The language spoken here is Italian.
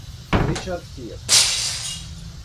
Richard Sears